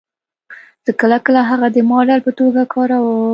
زه کله کله هغه د ماډل په توګه کاروم